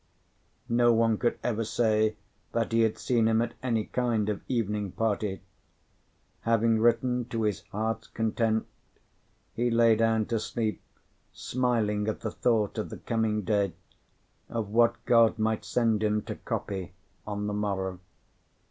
No one could ever say that he had seen him at any kind of evening party. Having written to his heart's content, he lay down to sleep, smiling at the thought of the coming day of what God might send him to copy on the morrow.